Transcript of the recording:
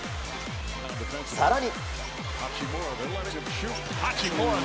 更に。